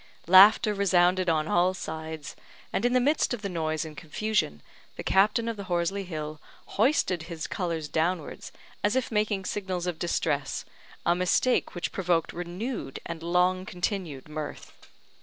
Laughter resounded on all sides; and in the midst of the noise and confusion, the captain of the Horsley Hill hoisted his colours downwards, as if making signals of distress, a mistake which provoked renewed and long continued mirth.